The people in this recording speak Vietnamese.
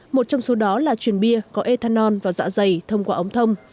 một trong số đó là chuyển bia có ethanol vào dọa dày thông qua ống thông